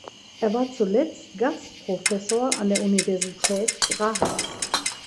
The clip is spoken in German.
Er war zuletzt Gastprofessor an der Universität Graz.